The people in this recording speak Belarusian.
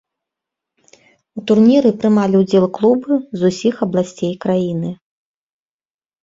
У турніры прымалі ўдзел клубы з усіх абласцей краіны.